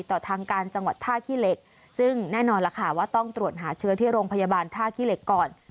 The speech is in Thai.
ต่อทางการจังหวัดท่าขี้เหล็กซึ่งแน่นอนล่ะค่ะว่าต้องตรวจหาเชื้อที่โรงพยาบาลท่าขี้เหล็กก่อน